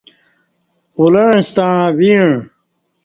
اولݩع ستݩع ویݩع ۔